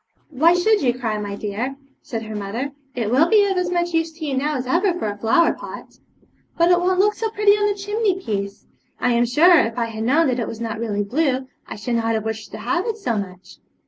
'Why should you cry, my dear?' said her mother; 'it will be of as much use to you now as ever for a flower pot.' 'But it won't look so pretty on the chimney piece. I am sure, if I had known that it was not really blue, I should not have wished to have it so much.'